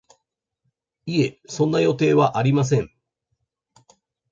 いえ、そんな予定はありません